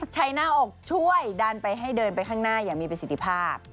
หน้าอกช่วยดันไปให้เดินไปข้างหน้าอย่างมีประสิทธิภาพ